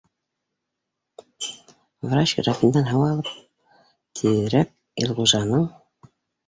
Врач графиндан һыу һалып, тиҙерәк Илғужаның